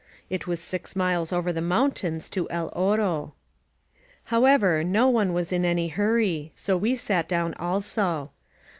It was six miles over the mountains to El Oro. However, no one was in any hurry, so we sat down also.